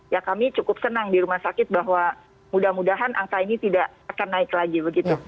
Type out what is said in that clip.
ya kami cukup senang di rumah sakit bahwa mudah mudahan angka ini tidak akan naik lagi begitu